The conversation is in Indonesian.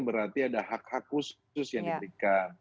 berarti ada hak hak khusus yang diberikan